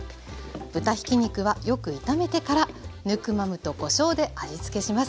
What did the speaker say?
豚ひき肉はよく炒めてからヌクマムとこしょうで味つけします。